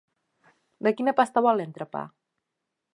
De quina pasta vol l'entrepà?